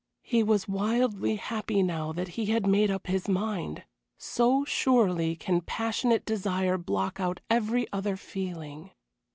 He was wildly happy now that he had made up his mind so surely can passionate desire block out every other feeling.